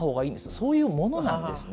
そういうものなんですね。